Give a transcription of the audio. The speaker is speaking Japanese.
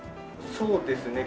そうですね。